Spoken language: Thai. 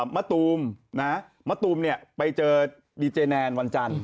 มะตูมนะมะตูมไปเจอดีเจแนนวันจันทร์